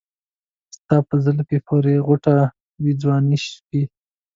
ستا په زلفې پورې غوټه وې ځواني شپې